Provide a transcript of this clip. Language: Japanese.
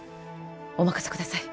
お任せください